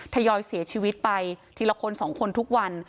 ยอยเสียชีวิตไปทีละคนสองคนทุกวัน